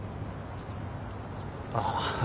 ああ。